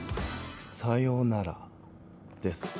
さようならデス。